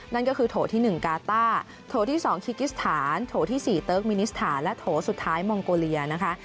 นั่นก็คือโถที่๑กาต้าโถที่๒คิกิสถานโถที่๔เติร์กมินิสถานและโถสุดท้ายมองโกเลียนะคะ